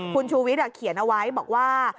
คุณชูวิทย์เขียนเอาไว้บอกว่า